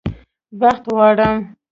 بخت غواړم